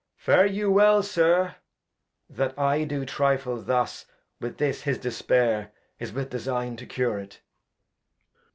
Fare you well, Sir. That I do trifle thus With this his Despair, is with Design to cure it. Glost.